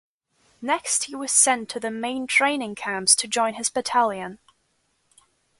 Next he was sent to the main training camps to join his battalion.